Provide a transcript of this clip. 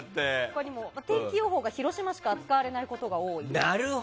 他にも天気予報が広島しか扱われないことが多い。